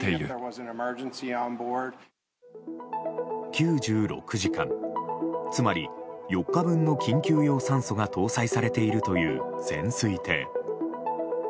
９６時間つまり４日分の緊急用酸素が搭載されているという潜水艇。